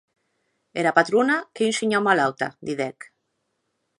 Era patrona qu’ei un shinhau malauta, didec.